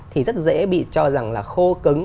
thì rất dễ bị cho rằng là khô cứng